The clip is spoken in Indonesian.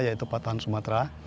yaitu patan sumatera